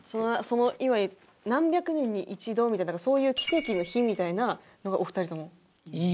今何百年に一度みたいなそういう奇跡の日みたいなのがお二人とも？